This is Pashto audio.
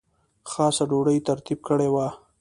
خاصه ډوډۍ ترتیب کړې وه.